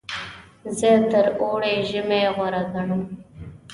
زه تر اوړي ژمی غوره ګڼم.